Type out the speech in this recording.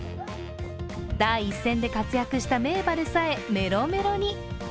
第一線で活躍した名馬でさえメロメロに。